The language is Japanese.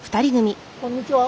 こんにちは。